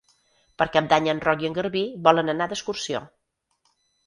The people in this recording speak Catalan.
Per Cap d'Any en Roc i en Garbí volen anar d'excursió.